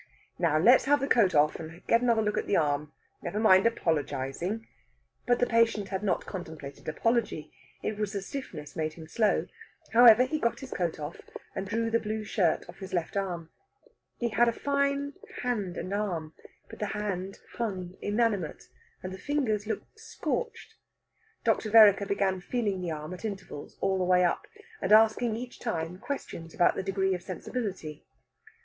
"Now let's have the coat off, and get another look at the arm; never mind apologizing." But the patient had not contemplated apology. It was the stiffness made him slow. However, he got his coat off, and drew the blue shirt off his left arm. He had a fine hand and arm, but the hand hung inanimate, and the fingers looked scorched. Dr. Vereker began feeling the arm at intervals all the way up, and asking each time questions about the degree of sensibility.